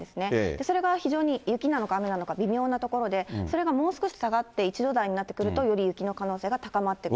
それが非常に雪なのか、雨なのか、微妙なところで、それがもう少し下がって１度台になってくると、より雪の可能性が高まってくると。